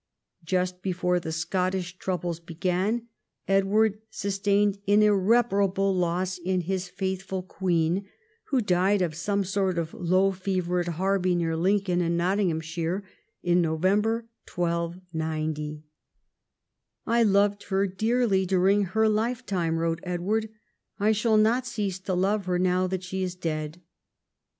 Just before the Scottish troubles began, Edward sustained an irre parable loss in his faithful consort Queen Eleanor, who died of some sort of low fever at Harby, near Grantham, in November 1290. "I loved her dearly during her lifetime," wrote Edward ; "I shall not cease to love her now that she is dead."